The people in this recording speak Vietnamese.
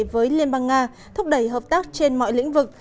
với liên bang nga thúc đẩy hợp tác trên mọi lĩnh vực